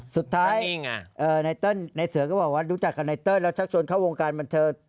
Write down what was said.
สุดท้ายไหนเติ้ลไหนเสือก็บอกว่ารู้จักกับไหนเติ้ลแล้วช่างชนเข้าวงการบรรเทอร์